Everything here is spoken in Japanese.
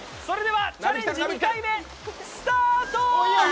チャレンジ２回目スタート！